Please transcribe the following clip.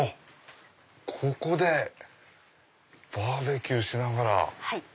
ここでバーベキューしながら。